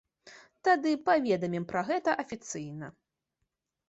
Тады паведамім пра гэта афіцыйна.